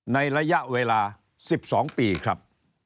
ในระยะเวลา๑๒ปีครับ